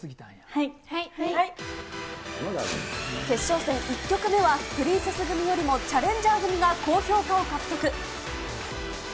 決勝戦、１曲目はプリンセス組よりもチャレンジャー組が高評価を獲得。